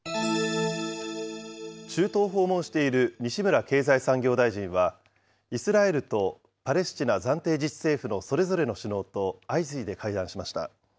中東を訪問している西村経済産業大臣は、イスラエルとパレスチナ暫定自治政府のそれぞれの首脳と相次いで会談しました。